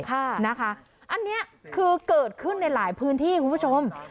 อันนี้คือเกิดขึ้นในหลายพื้นที่คุณผู้ชม